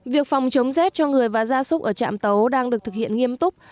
việc phòng chống rét cho người và gia súc ở trạm tấu đang được thực hiện nghiêm túc